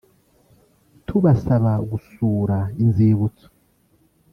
tubasaba gusura inzibutso